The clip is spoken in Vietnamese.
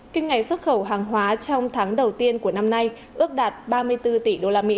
kinh ngày xuất khẩu hàng hóa trong tháng đầu tiên của năm nay ước đạt ba mươi bốn tỷ usd